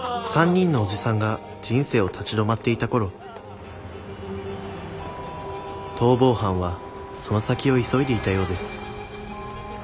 ３人のおじさんが人生を立ち止まっていた頃逃亡犯はその先を急いでいたようです。